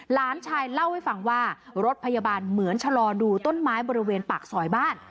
หลานชายเล่าให้ฟังว่ารถพยาบาลเหมือนชะลอดูต้นไม้บริเวณปากซอยบ้าน